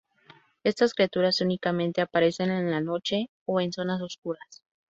Estas criaturas únicamente aparecen en la noche o en zonas oscuras.